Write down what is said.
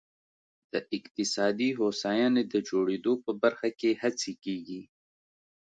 د اقتصادي هوساینې د جوړېدو په برخه کې هڅې کېږي.